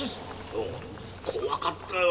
おう怖かったよ